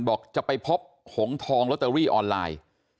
บอกจะไปพบหงทองลอตเตอรี่ออนไลน์